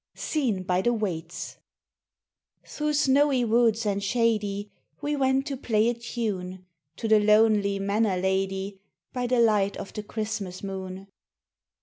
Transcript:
SEEN BY THE WAITS THROUGH snowy woods and shady We went to play a tune To the lonely manor lady By the light of the Christmas moon.